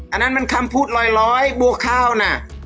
อันนั้นมันคำพูดลอยบัวข้าวนะ